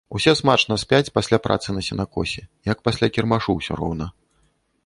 Усе смачна спяць пасля працы на сенакосе, як пасля кірмашу ўсё роўна.